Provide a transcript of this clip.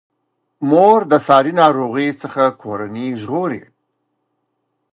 مور د ساري ناروغیو څخه کورنۍ ژغوري.